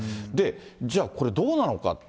じゃあこれ、どうなのか。